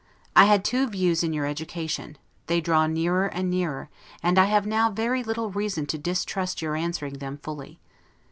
I had two views in your education; they draw nearer and nearer, and I have now very little reason to distrust your answering them fully.